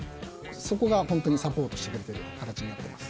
そこが本当にサポートしてくれている形になっています。